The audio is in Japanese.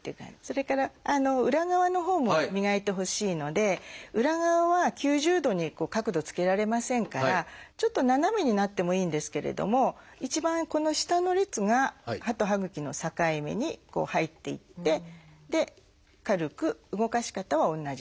それから裏側のほうも磨いてほしいので裏側は９０度に角度つけられませんからちょっと斜めになってもいいんですけれども一番この下の列が歯と歯ぐきの境目に入っていって軽く動かし方は同じです。